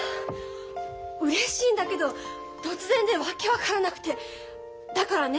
うれしいんだけど突然で訳分からなくてだからね